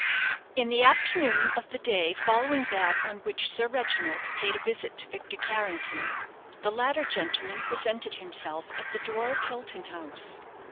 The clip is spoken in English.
In the afternoon of the day following that on which Sir Reginald paid a visit to Victor Carrington, the latter gentleman presented himself at the door of Hilton House.